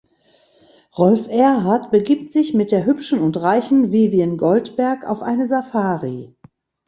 Rolf Erhardt begibt sich mit der hübschen und reichen Vivian Goldberg auf eine Safari.